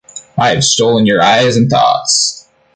I have stolen your eyes and thoughts’’!